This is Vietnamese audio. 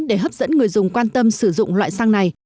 để hấp dẫn người dùng quan tâm sử dụng loại xăng này